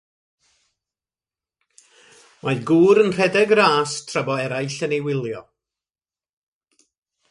Mae gŵr yn rhedeg ras tra bo eraill yn ei wylio.